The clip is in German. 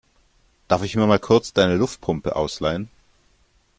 Darf ich mir mal kurz deine Luftpumpe ausleihen?